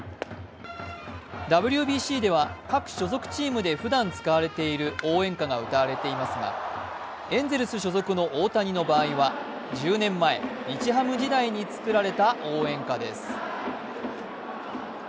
ＷＢＣでは、各所属チームでふだん使われている応援歌が歌われていますがエンゼルス所属の大谷の場合は、１０年前、日ハム時代に作られた応援歌です。